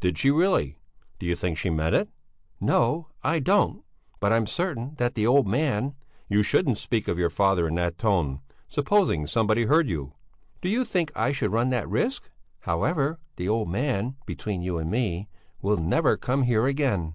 "Did she really? Do you think she meant it?" "No, I don't! But I'm certain that the old man...." "You shouldn't speak of your father in that tone! Supposing somebody heard you!" "Do you think I should run that risk? However, the old man between you and me will never come here again."